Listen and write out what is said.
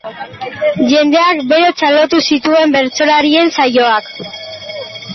Jendeak bero txalotu zituen bertsolarien saioak.